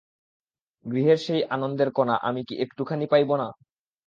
গৃহের সেই আনন্দের কণা আমি কি একটুখানি পাইব না!